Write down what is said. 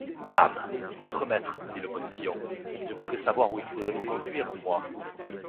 Dame ! notre maître, dit le postillon, je voudrais savoir où il faudrait vous conduire, moi.